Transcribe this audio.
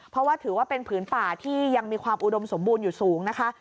เพราะว่าถือว่าเป็นผืนป่าที่ยังมีความอุดมสมบูรณ์อยู่สูงนะคะ